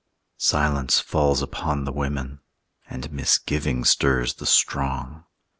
Silence falls upon the women. And misgiving stirs the strong.